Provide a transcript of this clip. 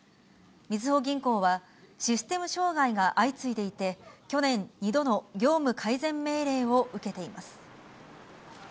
みずほ銀行は、システム障害が相次いでいて、去年、２度の業務改善命令を受けています。